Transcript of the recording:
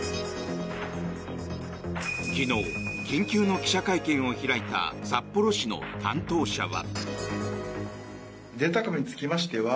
昨日、緊急の記者会見を開いた札幌市の担当者は。